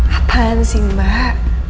apaan sih mbak